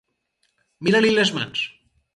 Mirar-li les mans.